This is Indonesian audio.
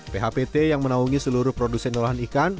phpt yang menaungi seluruh produsen olahan ikan